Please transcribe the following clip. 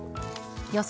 予想